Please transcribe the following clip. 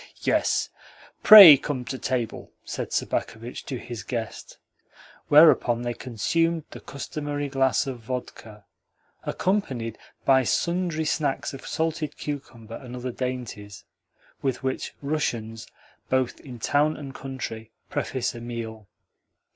"Yes; pray come to table," said Sobakevitch to his guest; whereupon they consumed the customary glass of vodka (accompanied by sundry snacks of salted cucumber and other dainties) with which Russians, both in town and country, preface a meal.